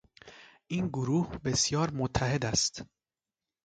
این گروه بسیار متحد است.